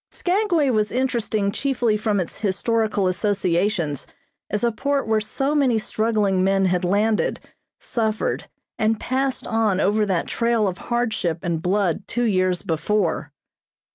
Skagway was interesting chiefly from its historical associations as a port where so many struggling men had landed, suffered and passed on over that trail of hardship and blood two years before.